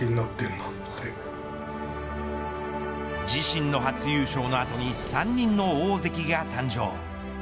自身の初優勝の後に３人の大関が誕生。